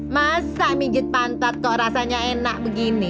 masa mijit pantat kok rasanya enak begini